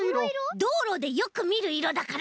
どうろでよくみるいろだから。